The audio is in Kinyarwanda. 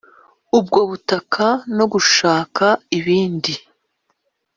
ubwo butaka no gushaka ibindi